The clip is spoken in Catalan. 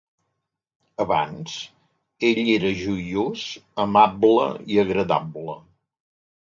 Abans, ell era joiós, amable i agradable.